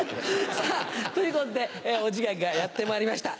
さぁということでお時間がやってまいりました。